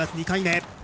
２回目。